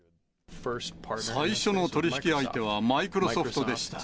最初の取り引き相手はマイクロソフトでした。